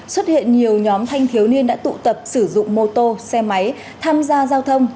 xuất hiện nhiều nhóm thanh thiếu niên đã tụ tập sử dụng mô tô xe máy tham gia giao thông